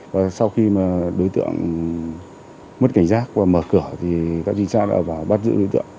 và sau khi mà đối tượng mất cảnh giác và mở cửa thì các sinh sát đã bắt giữ đối tượng